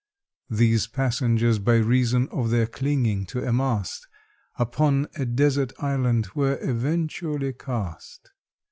These passengers, by reason of their clinging to a mast, Upon a desert island were eventually cast.